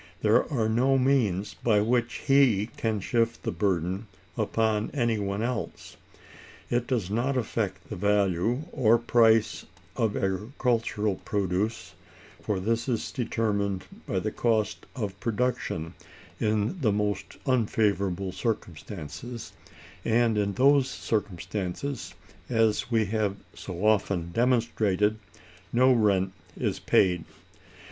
There are no means by which he can shift the burden upon any one else. It does not affect the value or price of agricultural produce, for this is determined by the cost of production in the most unfavorable circumstances, and in those circumstances, as we have so often demonstrated, no rent is paid.